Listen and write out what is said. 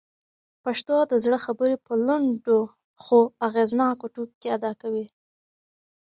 پښتو د زړه خبرې په لنډو خو اغېزناکو ټکو کي ادا کوي.